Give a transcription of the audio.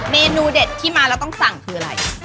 เมนูเด็ดที่มาแล้วต้องสั่งคืออะไร